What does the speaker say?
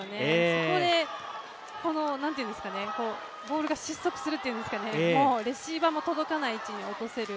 そこでボールが失速するっていうんですかね、レシーバーも届かない位置に落とせる